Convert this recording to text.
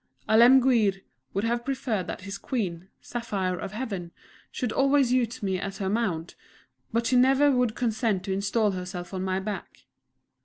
Alemguir would have preferred that his Queen, Saphire of Heaven should always use me as her mount; but she never would consent to install herself on my back....